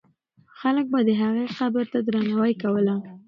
خلک به د هغې قبر ته درناوی کوله.